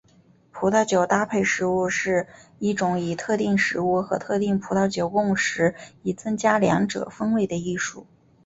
葡萄酒搭配食物是一种以特定食物和特定葡萄酒共食以增加两者风味的艺术。